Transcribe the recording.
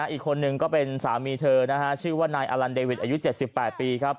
อีกคนนึงก็เป็นสามีเธอนะฮะชื่อว่านายอลันเดวิดอายุ๗๘ปีครับ